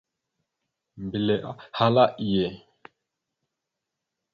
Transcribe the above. Mbelle ahala: « Iye ».